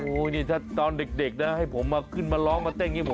นี่ถ้าตอนเด็กนะให้ผมมาขึ้นมาร้องมาเต้นอย่างนี้ผม